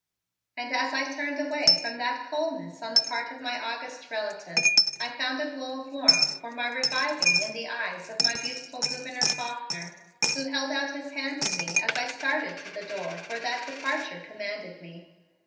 And as I turned away from that coldness on the part of my august relative I found a glow of warmth for my reviving in the eyes of my beautiful Gouverneur Faulkner, who held out his hand to me as I started to the door for that departure commanded me.